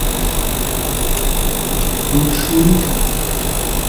Broŝurita.